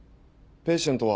ペイシェントは。